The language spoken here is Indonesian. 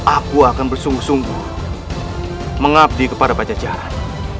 aku akan bersungguh sungguh mengabdi kepada pajajaran